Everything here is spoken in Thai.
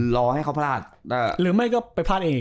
รอให้เขาพลาดหรือไม่ก็ไปพลาดเอง